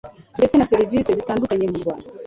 ndetse na serivisi zitandukanye mu Rwanda